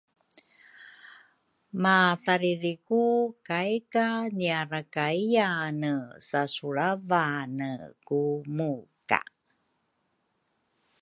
mathariri ku kai ka niarakayyane sasulravane ku muka.